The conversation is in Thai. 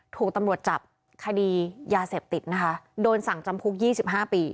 ถูกตำรวจจับคดียาเสพติดนะคะโดนสั่งจำคุก๒๕ปี